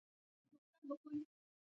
ځنګل د خوښۍ احساس ورکوي.